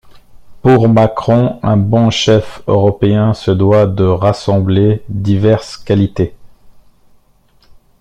Pour Macron, un bon chef européen se doit de rassembler diverses qualités.